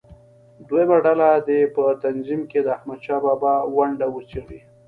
دویمه ډله دې په تنظیم کې د احمدشاه بابا ونډه وڅېړي.